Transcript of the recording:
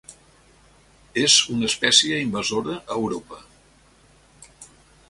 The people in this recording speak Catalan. És una espècie invasora a Europa.